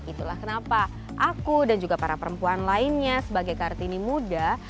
itulah kenapa aku dan juga para perempuan lainnya sebagai kartini muda